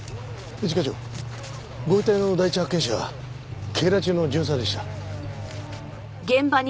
一課長ご遺体の第一発見者は警ら中の巡査でした。